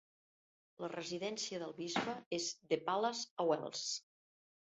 La residència del bisbe és The Palace, a Wells.